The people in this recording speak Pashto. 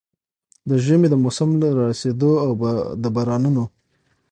د ژمي د موسم له را رسېدو او د بارانونو